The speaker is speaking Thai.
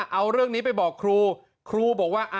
เอาเรื่องนี้ไปบอกครูครูบอกว่า